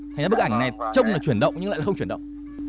thế nên bức ảnh này trông là chuyển động nhưng lại là không chuyển động